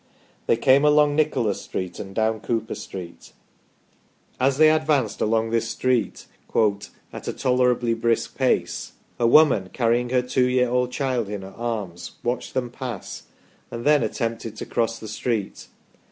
They came along Nicholas Street and down Cooper Street. As they advanced along this street " at a tolerably brisk pace," a woman, carrying her two year old child in her arms, watched them pass, and then attempted to cross the street.